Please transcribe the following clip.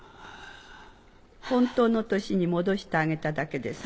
本当の年に戻してあげただけです